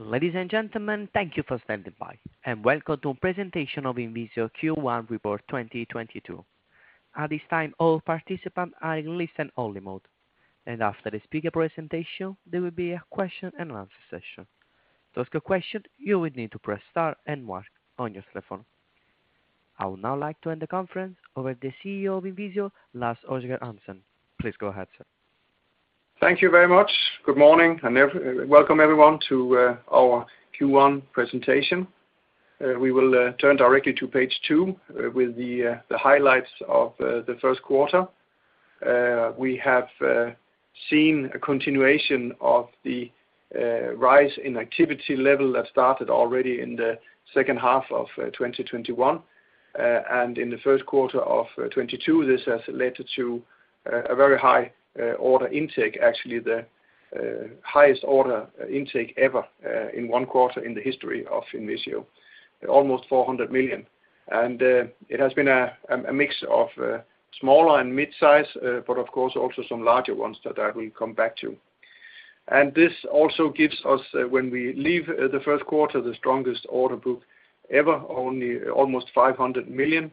Ladies and gentlemen, thank you for standing by, and welcome to a presentation of INVISIO Q1 report 2022. At this time, all participants are in listen-only mode. After the speaker presentation, there will be a question and answer session. To ask a question, you will need to press star and one on your telephone. I would now like to hand the conference over to CEO of INVISIO, Lars Højgård Hansen. Please go ahead, sir. Thank you very much. Good morning, and welcome everyone to our Q1 presentation. We will turn directly to page two with the highlights of the first quarter. We have seen a continuation of the rise in activity level that started already in the second half of 2021. In the first quarter of 2022, this has led to a very high order intake, actually the highest order intake ever in one quarter in the history of INVISIO, almost 400 million. It has been a mix of smaller and mid-size, but of course also some larger ones that I will come back to. This also gives us, when we leave the first quarter, the strongest order book ever, almost 500 million,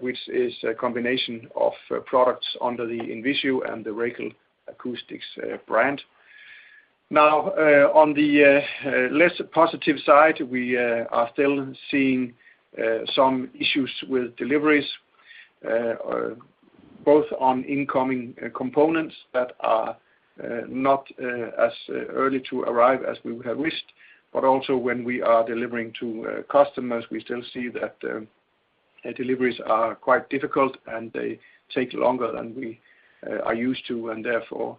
which is a combination of products under the INVISIO and the Racal Acoustics brand. Now, on the less positive side, we are still seeing some issues with deliveries, both on incoming components that are not as early to arrive as we would have wished, but also when we are delivering to customers, we still see that deliveries are quite difficult, and they take longer than we are used to. Therefore,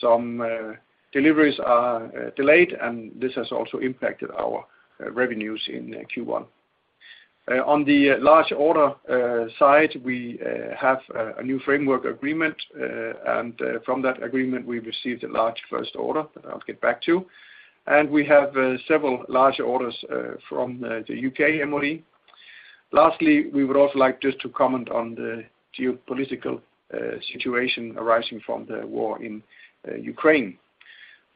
some deliveries are delayed, and this has also impacted our revenues in Q1. On the large order side, we have a new framework agreement. From that agreement, we received a large first order that I'll get back to. We have several larger orders from the U.K. MoD. Lastly, we would also like just to comment on the geopolitical situation arising from the war in Ukraine.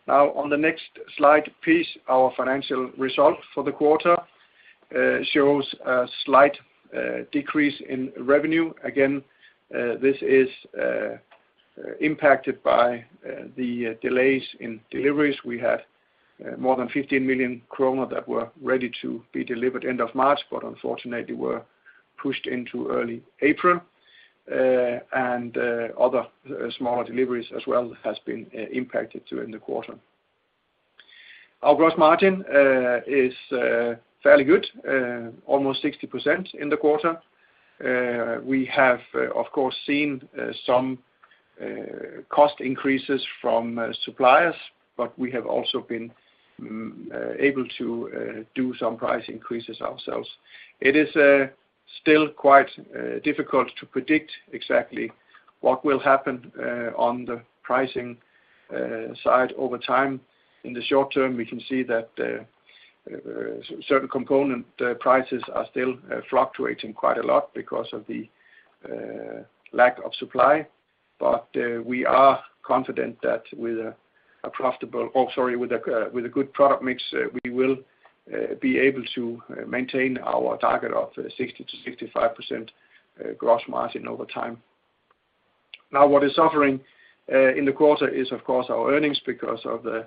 Now, on the next slide, please, our financial result for the quarter shows a slight decrease in revenue. Again, this is impacted by the delays in deliveries. We had more than 15 million kronor that were ready to be delivered end of March, but unfortunately were pushed into early April. Other smaller deliveries as well has been impacted during the quarter. Our gross margin is fairly good, almost 60% in the quarter. We have, of course, seen some cost increases from suppliers, but we have also been able to do some price increases ourselves. It is still quite difficult to predict exactly what will happen on the pricing side over time. In the short term, we can see that certain component prices are still fluctuating quite a lot because of the lack of supply. We are confident that with a good product mix, we will be able to maintain our target of 60%-65% gross margin over time. Now, what is suffering in the quarter is, of course, our earnings because of the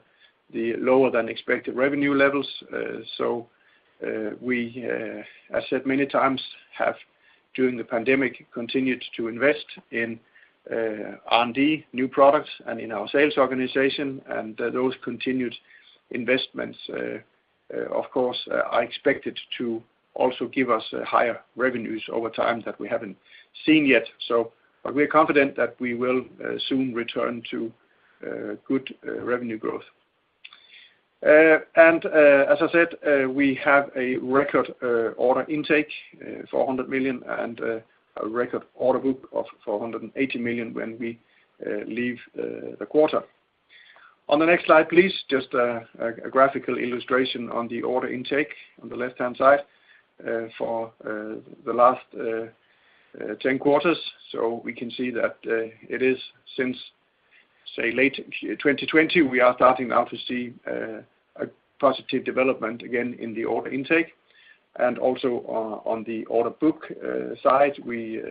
lower than expected revenue levels. I said many times we have during the pandemic continued to invest in R&D, new products and in our sales organization. Those continued investments, of course, are expected to also give us higher revenues over time that we haven't seen yet. We're confident that we will soon return to good revenue growth. As I said, we have a record order intake 400 million, and a record order book of 480 million when we leave the quarter. On the next slide, please, just a graphical illustration of the order intake on the left-hand side for the last 10 quarters. We can see that it is since, say, late 2020, we are starting now to see a positive development again in the order intake. Also on the order book side, we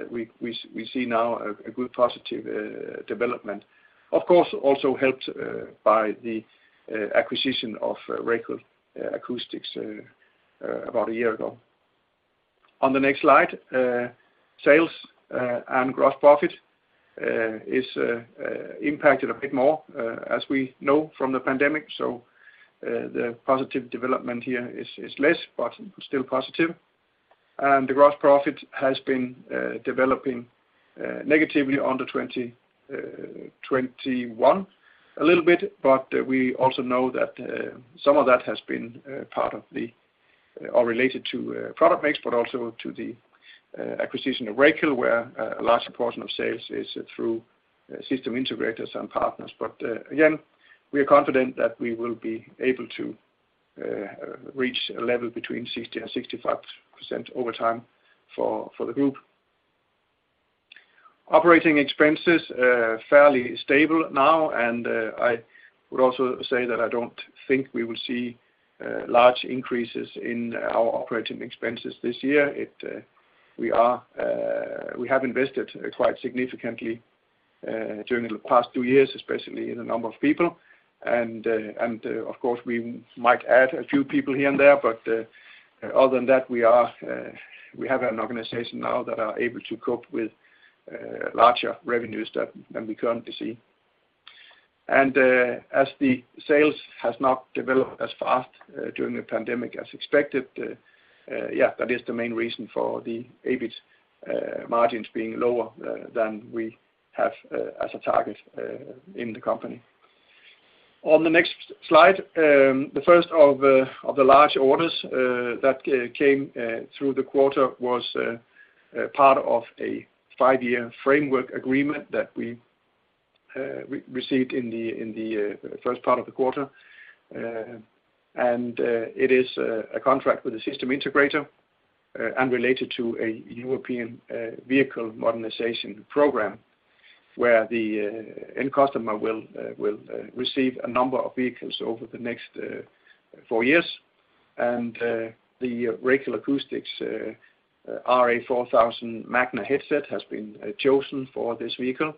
see now a good positive development. Of course, also helped by the acquisition of Racal Acoustics about a year ago. On the next slide, sales and gross profit is impacted a bit more, as we know from the pandemic. The positive development here is less, but still positive. The gross profit has been developing negatively under 20%-21% a little bit, but we also know that some of that has been part of, or related to product mix, but also to the acquisition of Racal, where a large portion of sales is through system integrators and partners. Again, we are confident that we will be able to reach a level between 60%-65% over time for the group. Operating expenses are fairly stable now, and I would also say that I don't think we will see large increases in our operating expenses this year. We have invested quite significantly during the past two years, especially in the number of people. Of course, we might add a few people here and there, but other than that, we have an organization now that are able to cope with larger revenues than we currently see. As the sales has not developed as fast during the pandemic as expected, that is the main reason for the EBIT margins being lower than we have as a target in the company. On the next slide, the first of the large orders that came through the quarter was a part of a five-year framework agreement that we received in the first part of the quarter. It is a contract with a system integrator and related to a European vehicle modernization program, where the end customer will receive a number of vehicles over the next four years. The Racal Acoustics RA4000 Magna headset has been chosen for this vehicle.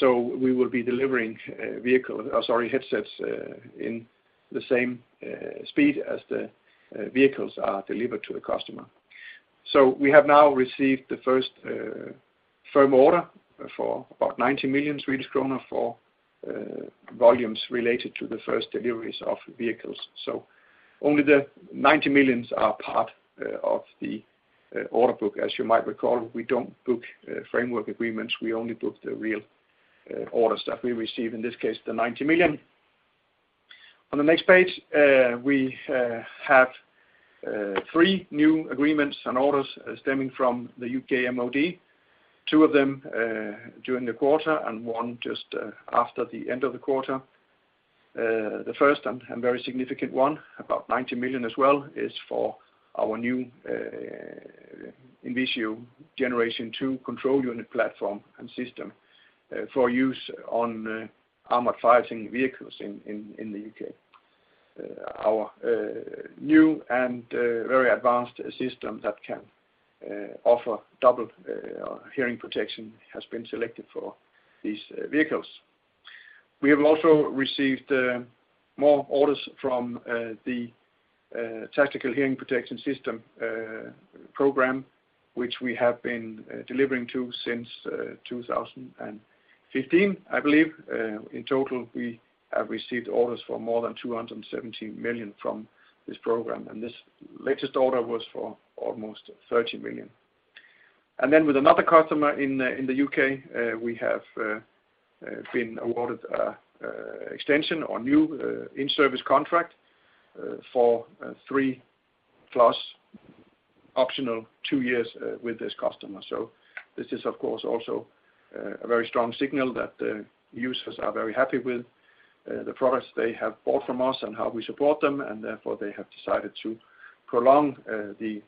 We will be delivering vehicle, or sorry, headsets, in the same speed as the vehicles are delivered to the customer. We have now received the first firm order for about 90 million Swedish kronor for volumes related to the first deliveries of vehicles. Only the 90 million is part of the order book. As you might recall, we don't book framework agreements. We only book the real orders that we receive, in this case, the 90 million. On the next page, we have three new agreements and orders stemming from the U.K. MoD, two of them during the quarter and one just after the end of the quarter. The first and very significant one, about 90 million as well, is for our new INVISIO generation two control unit platform and system for use on armored fighting vehicles in the U.K.. Our new and very advanced system that can offer double hearing protection has been selected for these vehicles. We have also received more orders from the Tactical Communication and Protective System program, which we have been delivering to since 2015. I believe, in total, we have received orders for more than 270 million from this program, and this latest order was for almost 30 million. With another customer in the U.K., we have been awarded an extension on new in-service contract for three-plus optional two years with this customer. This is, of course, also a very strong signal that the users are very happy with the products they have bought from us and how we support them, and therefore, they have decided to prolong the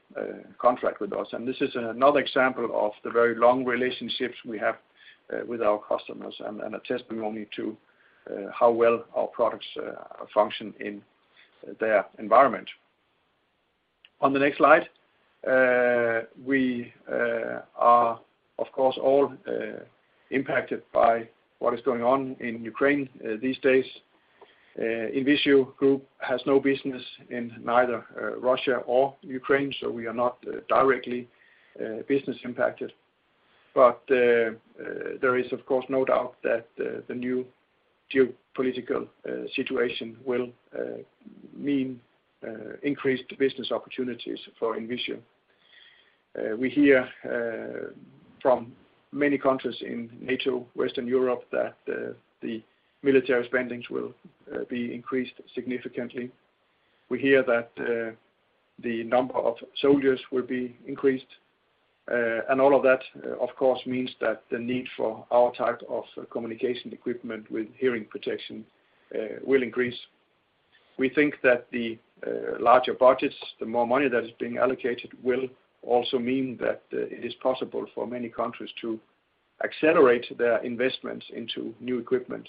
contract with us. This is another example of the very long relationships we have with our customers and a testimony to how well our products function in their environment. On the next slide, we are of course all impacted by what is going on in U.K.raine these days. INVISIO Group has no business in neither Russia or U.K.raine, so we are not directly business impacted. There is, of course, no doubt that the new geopolitical situation will mean increased business opportunities for INVISIO. We hear from many countries in NATO, Western Europe, that the military spending will be increased significantly. We hear that the number of soldiers will be increased. All of that, of course, means that the need for our type of communication equipment with hearing protection will increase. We think that the larger budgets, the more money that is being allocated, will also mean that it is possible for many countries to accelerate their investments into new equipment.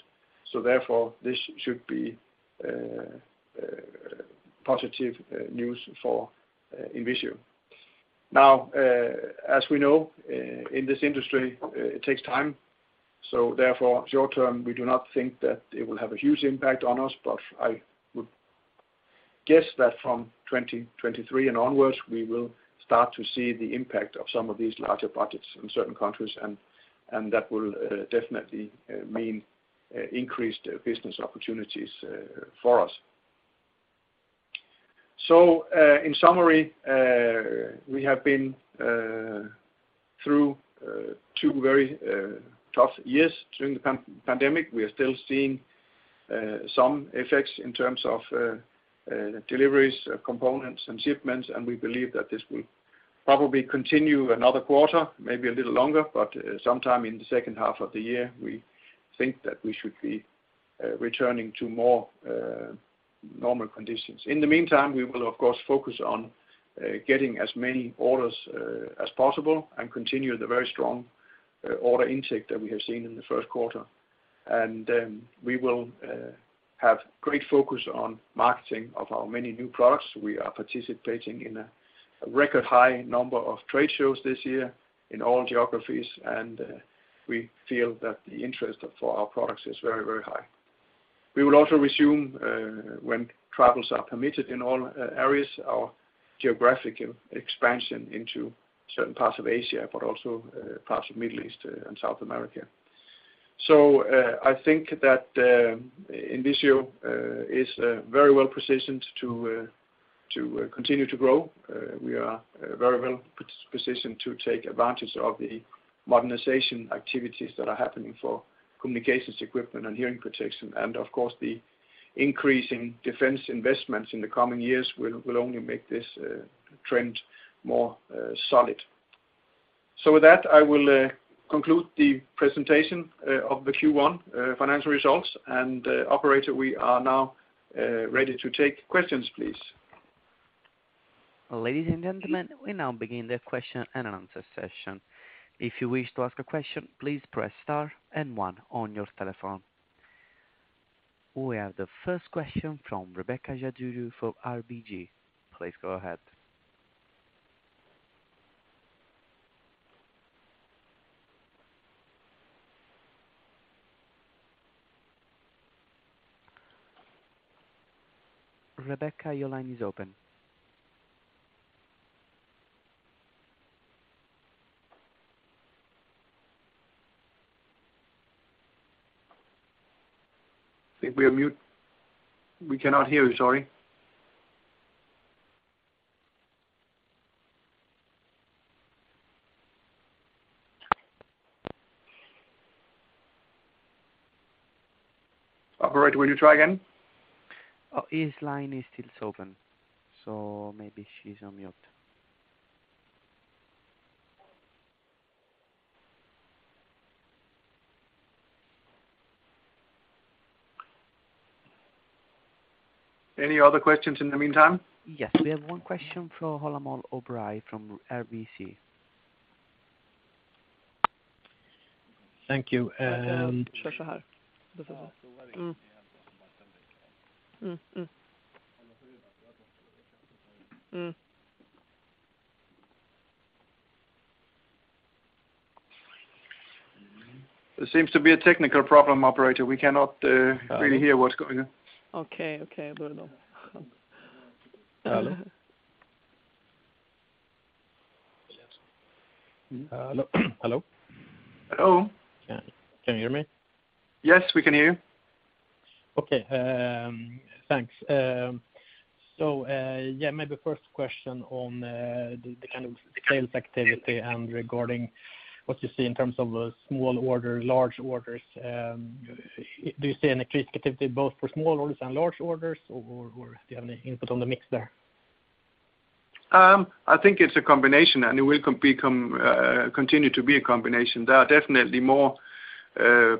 This should be positive news for INVISIO. Now, as we know, in this industry, it takes time, so therefore, short term, we do not think that it will have a huge impact on us. I would guess that from 2023 and onwards, we will start to see the impact of some of these larger budgets in certain countries and that will definitely mean increased business opportunities for us. In summary, we have been through two very tough years during the pandemic. We are still seeing some effects in terms of deliveries, components, and shipments, and we believe that this will probably continue another quarter, maybe a little longer, but sometime in the second half of the year, we think that we should be returning to more normal conditions. In the meantime, we will of course focus on getting as many orders as possible and continue the very strong order intake that we have seen in the first quarter. Then we will have great focus on marketing of our many new products. We are participating in a record high number of trade shows this year in all geographies, and we feel that the interest for our products is very, very high. We will also resume when travel is permitted in all areas, our geographic expansion into certain parts of Asia, but also parts of Middle East and South America. I think that INVISIO is very well positioned to continue to grow. We are very well positioned to take advantage of the modernization activities that are happening for communications equipment and hearing protection. Of course the increasing defense investments in the coming years will only make this trend more solid. With that, I will conclude the presentation of the Q1 financial results. Operator, we are now ready to take questions please. Ladies and gentlemen, we now begin the question and answer session. If you wish to ask a question, please press star and one on your telephone. We have the first question Rebecka Garderup from ABG. Please go ahead. Rebecka, your line is open. I think we are mute. We cannot hear you, sorry. Operator, will you try again? Oh, his line is still open, so maybe she's on mute. Any other questions in the meantime? Yes. We have one question from Holomal Oberai from RBC. Thank you. There seems to be a technical problem, operator. We cannot really hear what's going on. Okay. Okay. Hello? Hello? Hello. Can you hear me? Yes, we can hear you. Maybe first question on the kind of sales activity and regarding what you see in terms of small orders, large orders. Do you see an activity both for small orders and large orders or do you have any input on the mix there? I think it's a combination and it will continue to be a combination. There are definitely more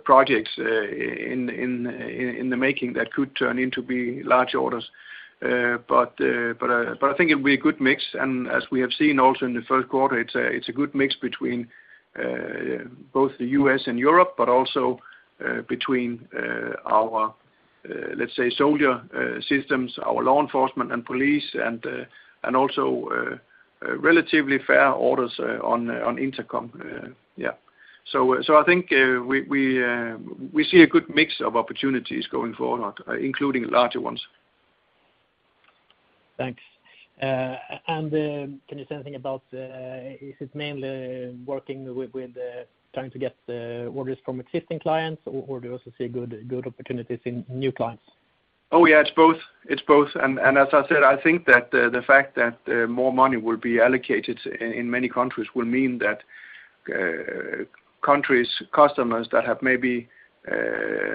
projects in the making that could turn into large orders. But I think it'll be a good mix. As we have seen also in the first quarter, it's a good mix between both the U.S. and Europe, but also between our, let's say, soldier systems, our law enforcement and police and also relatively large orders on intercom. I think we see a good mix of opportunities going forward, including larger ones. Thanks. Can you say anything about, is it mainly working with trying to get orders from existing clients or do you also see good opportunities in new clients? Oh yeah, it's both. As I said, I think that the fact that more money will be allocated in many countries will mean that countries, customers that have maybe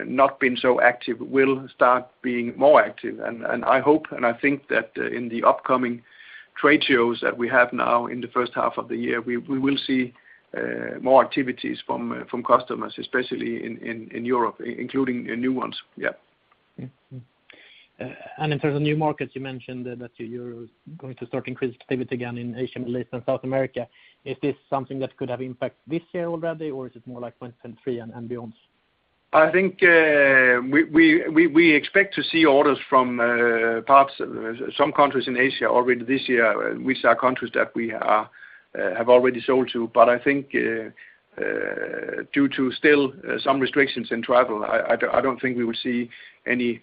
not been so active will start being more active. I hope, and I think that in the upcoming trade shows that we have now in the first half of the year, we will see more activities from customers, especially in Europe, including new ones. Yeah. Yeah. In terms of new markets, you mentioned that you're going to start increased activity again in Asia, Middle East, and South America. Is this something that could have impact this year already or is it more like when it's in 3 and beyond? I think we expect to see orders from some countries in Asia already this year, which are countries that we have already sold to. I think due to still some restrictions in travel, I don't think we will see any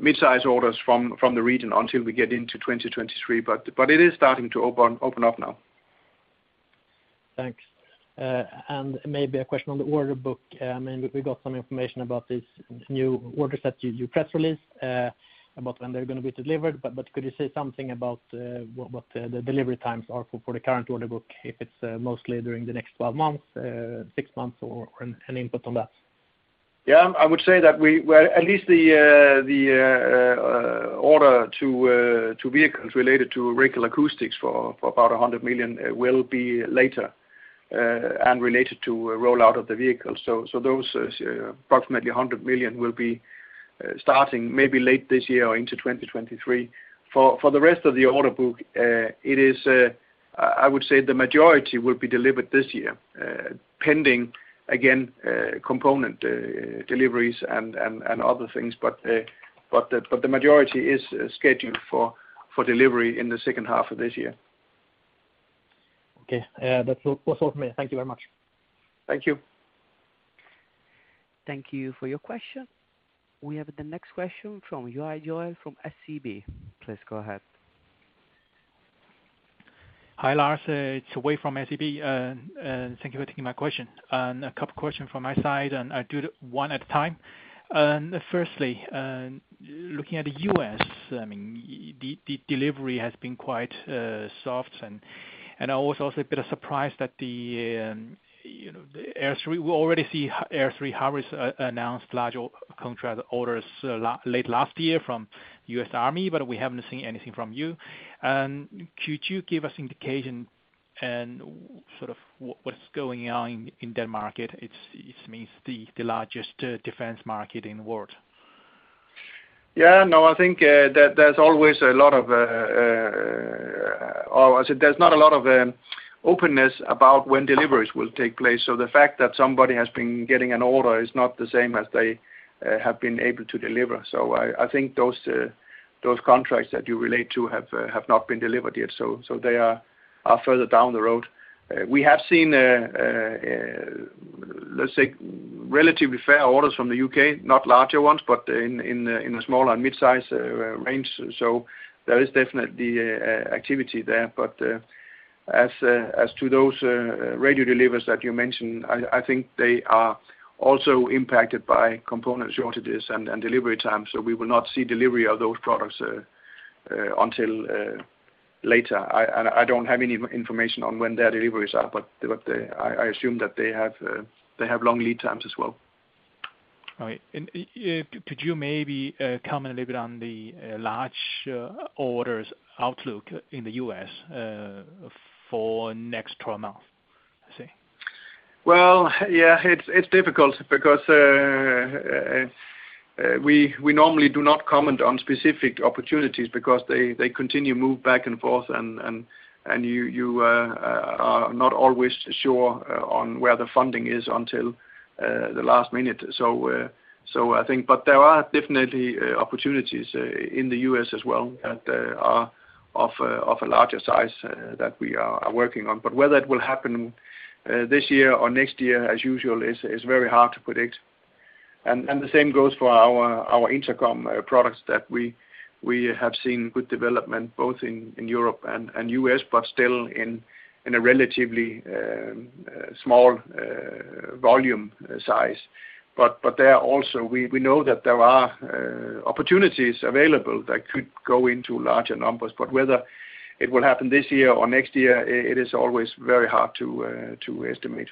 mid-size orders from the region until we get into 2023. It is starting to open up now. Thanks. Maybe a question on the order book. We got some information about this new order that your press release about when they're gonna be delivered, but could you say something about what the delivery times are for the current order book? If it's mostly during the next 12 months, 6 months or any input on that? Yeah, I would say that we, well, at least the order to vehicles related to Racal Acoustics for about 100 million will be later, and related to rollout of the vehicle. Those approximately 100 million will be starting maybe late this year or into 2023. For the rest of the order book, it is, I would say the majority will be delivered this year, pending again, component deliveries and other things. The majority is scheduled for delivery in the second half of this year. Okay. That was all from me. Thank you very much. Thank you. Thank you for your question. We have the next question from Ui Joel from SEB. Please go ahead. Hi, Lars, it's Ui Joel from SEB. Thank you for taking my question. A couple of question from my side, and I do it one at a time. Firstly, looking at the U.S., I mean, the delivery has been quite soft and I was also a bit surprised at the, you know, the L3, we already see L3, how is announced large or contract orders late last year from U.S. Army, but we haven't seen anything from you. Could you give us indication and sort of what is going on in that market? It means the largest defense market in the world. No, I think there's not a lot of openness about when deliveries will take place. The fact that somebody has been getting an order is not the same as they have been able to deliver. I think those contracts that you relate to have not been delivered yet. They are further down the road. We have seen, let's say, relatively fair orders from the U.K., not larger ones, but in the small and midsize range. There is definitely activity there. As to those radio deliveries that you mentioned, I think they are also impacted by component shortages and delivery time. We will not see delivery of those products until later. I don't have any information on when their deliveries are, but I assume that they have long lead times as well. All right. Could you maybe comment a little bit on the large orders outlook in the U.S. for next 12 months? Let's see. Well, yeah, it's difficult because we normally do not comment on specific opportunities because they continue to move back and forth and you are not always sure on where the funding is until the last minute. I think but there are definitely opportunities in the U.S. as well that are of a larger size that we are working on. Whether it will happen this year or next year, as usual is very hard to predict. The same goes for our intercom products that we have seen good development both in Europe and U.S., but still in a relatively small volume size. There are also, we know, that there are opportunities available that could go into larger numbers. Whether it will happen this year or next year, it is always very hard to estimate.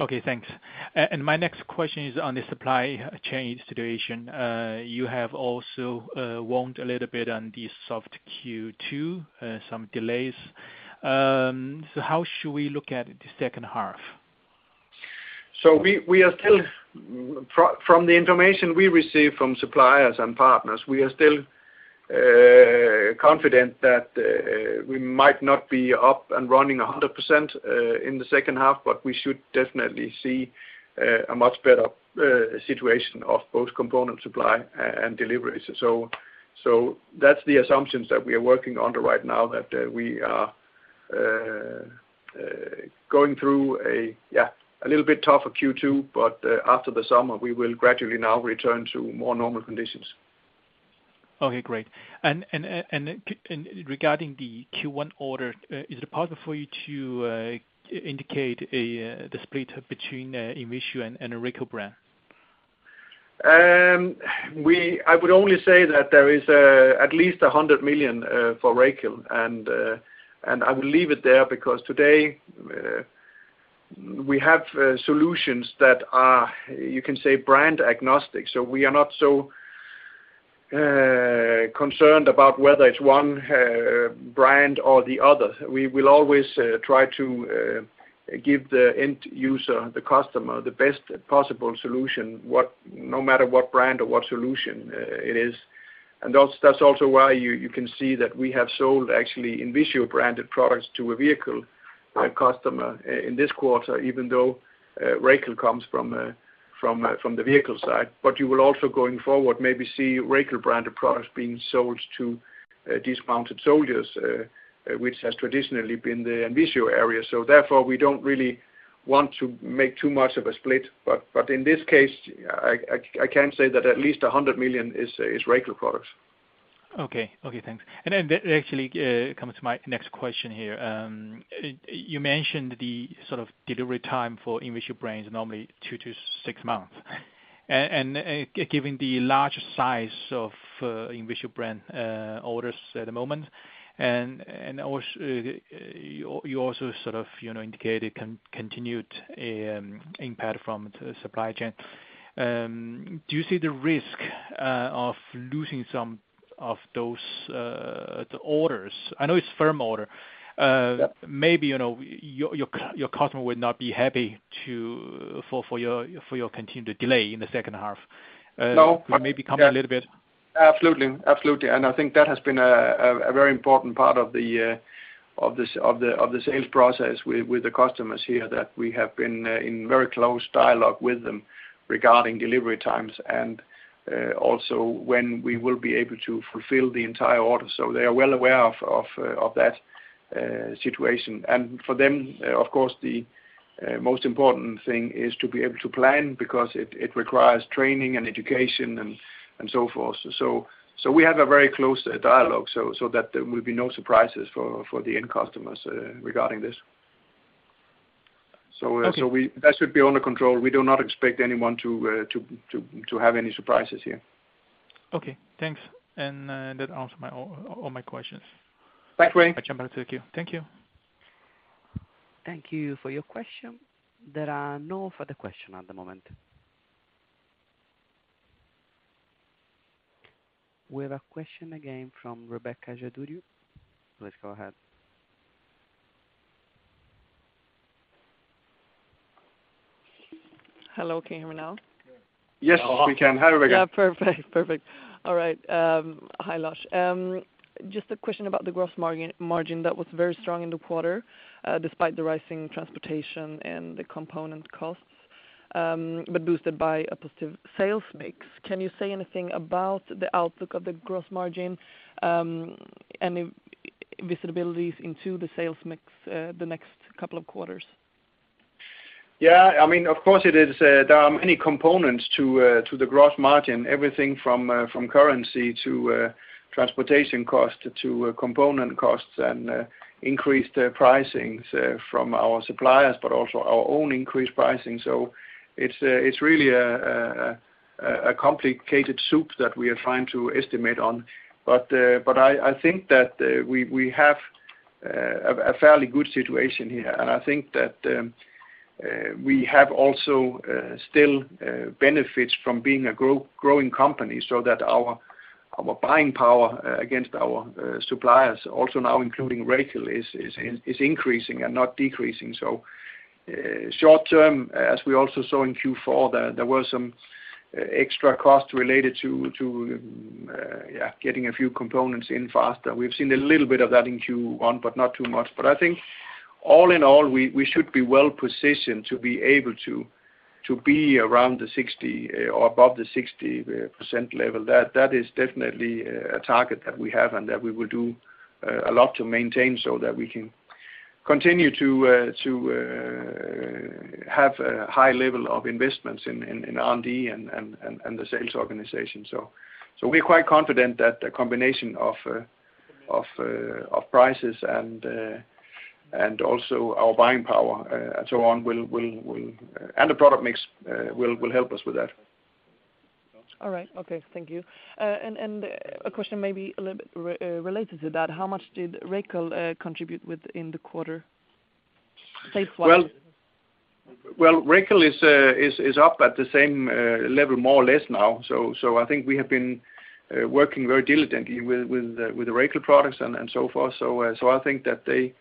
Okay, thanks. My next question is on the supply chain situation. You have also warned a little bit on the soft Q2, some delays. How should we look at the second half? We are still from the information we receive from suppliers and partners, we are still confident that we might not be up and running 100% in the second half, but we should definitely see a much better situation of both component supply and deliveries. That's the assumptions that we are working under right now, that we are going through a little bit tougher Q2, but after the summer, we will gradually now return to more normal conditions. Okay, great. Regarding the Q1 order, is it possible for you to indicate the split between INVISIO and Racal brand? I would only say that there is at least 100 million for Racal and I will leave it there because today we have solutions that are, you can say, brand agnostic. We are not so concerned about whether it's one brand or the other. We will always try to give the end user, the customer, the best possible solution, no matter what brand or what solution it is. That's also why you can see that we have sold actually INVISIO branded products to a vehicle- Right. Customer in this quarter, even though Racal comes from the vehicle side. You will also going forward, maybe see Racal brand of products being sold to dismounted soldiers, which has traditionally been the INVISIO area. Therefore, we don't really want to make too much of a split, but in this case, I can say that at least 100 million is Racal products. Okay, thanks. That actually comes to my next question here. You mentioned the sort of delivery time for INVISIO brands, normally 2-6 months. Giving the large size of INVISIO brand orders at the moment, and also you sort of, you know, indicated continued impact from the supply chain. Do you see the risk of losing some of those the orders? I know it's firm order. Yep. Maybe, you know, your customer would not be happy for your continued delay in the second half. No. Maybe come a little bit. Absolutely. I think that has been a very important part of the sales process with the customers here, that we have been in very close dialogue with them regarding delivery times and also when we will be able to fulfill the entire order. They are well aware of that situation. For them, of course, the most important thing is to be able to plan because it requires training and education and so forth. We have a very close dialogue, so that there will be no surprises for the end customers regarding this. Okay. That should be under control. We do not expect anyone to have any surprises here. Okay. Thanks. That answered all my questions. Bye, joel. I'll jump back to the queue. Thank you. Thank you for your question. There are no further question at the moment. We have a question again from Rebecka Garderup Please go ahead. Hello. Can you hear me now? Yes, we can. Hi, Rebecka. Yeah, perfect. All right. Hi, Lars. Just a question about the gross margin that was very strong in the quarter, despite the rising transportation and the component costs, but boosted by a positive sales mix. Can you say anything about the outlook of the gross margin, any visibilities into the sales mix, the next couple of quarters? Yeah, I mean, of course it is. There are many components to the gross margin. Everything from currency to transportation costs, to component costs and increased pricings from our suppliers, but also our own increased pricing. It's really a complicated soup that we are trying to estimate on. I think that we have a fairly good situation here. I think that we have also still benefits from being a growing company, so that our buying power against our suppliers also now including Racal is increasing and not decreasing. Short-term, as we also saw in Q4, there were some extra costs related to yeah getting a few components in faster. We've seen a little bit of that in Q1, but not too much. I think all in all, we should be well-positioned to be able to be around the 60% or above the 60% level. That is definitely a target that we have and that we will do a lot to maintain so that we can continue to have a high level of investments in R&D and the sales organization. We're quite confident that the combination of prices and also our buying power, and so on, and the product mix will help us with that. All right. Okay. Thank you. A question maybe a little bit related to that. How much did Racal contribute with in the quarter sales wise? Racal is up at the same level more or less now. I think we have been working very diligently with the Racal products and so forth. I think that they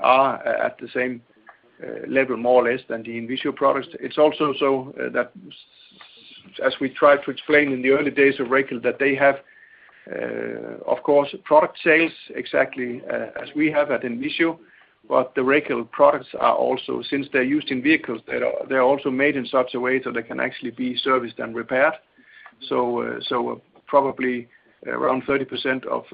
are at the same level more or less than the INVISIO products. It's also so that as we tried to explain in the early days of Racal that they have, of course, product sales exactly as we have at INVISIO. But the Racal products are also, since they're used in vehicles, they're also made in such a way so they can actually be serviced and repaired. Probably around 30% of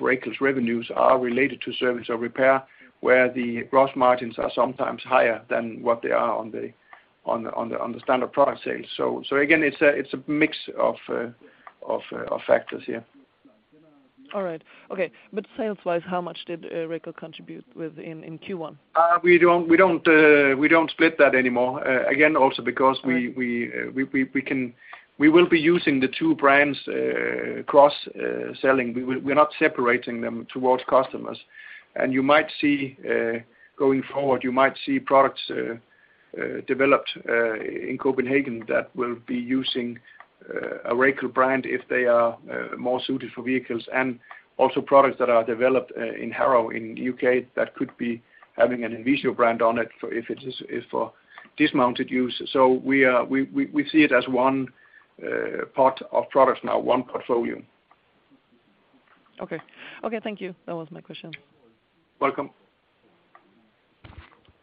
Racal's revenues are related to service or repair, where the gross margins are sometimes higher than what they are on the standard product sales. Again, it's a mix of factors here. All right. Okay. Sales wise, how much did Racal contribute with in Q1? We don't split that anymore. Again, also because we- All right. We will be using the two brands, cross selling. We're not separating them towards customers. You might see, going forward, you might see products developed in Copenhagen that will be using a Racal brand if they are more suited for vehicles. Also products that are developed in Harrow in U.K. that could be having an INVISIO brand on it for dismounted use. We see it as one part of products now, one portfolio. Okay. Okay, thank you. That was my question. Welcome.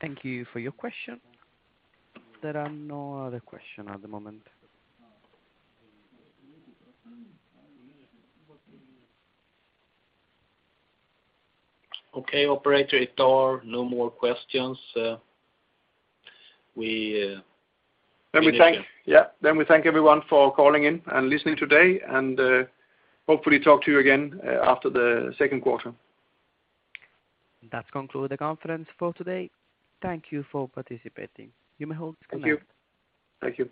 Thank you for your question. There are no other questions at the moment. Okay, operator, no more questions. We thank everyone for calling in and listening today and hopefully talk to you again after the second quarter. That conclude the conference for today. Thank you for participating. You may all disconnect. Thank you.